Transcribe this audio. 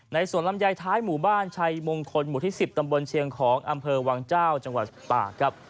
สวนลำไยท้ายหมู่บ้านชัยมงคลหมู่ที่๑๐ตำบลเชียงของอำเภอวังเจ้าจังหวัดตากครับ